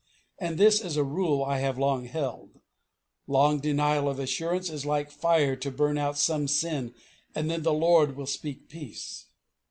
And this is a rule I have long held long denial of assurance is like fire to burn out some sin and then the Lord will speak peace."